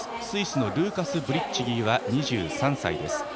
スイスのルーカス・ブリッチギー２３歳です。